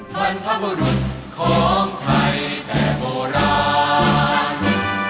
บรรพบุรุษของไทยแต่โบราณ